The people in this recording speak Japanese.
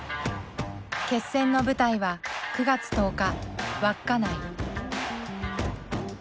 決戦の舞台は９月１０日稚内。